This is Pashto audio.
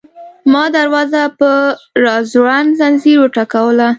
ما دروازه په راځوړند ځنځیر وټکوله.